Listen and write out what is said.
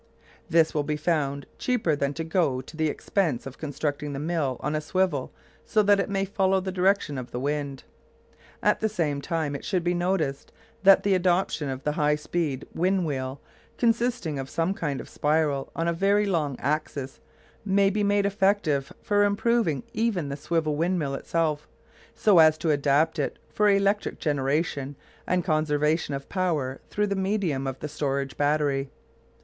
This will be found cheaper than to go to the expense of constructing the mill on a swivel so that it may follow the direction of the wind. At the same time it should be noticed that the adoption of the high speed wind wheel, consisting of some kind of spiral on a very long axis, may be made effective for improving even the swivel windmill itself, so as to adapt it for electric generation and conservation of power through the medium of the storage battery.